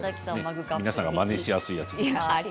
皆さんがまねしやすいやつ。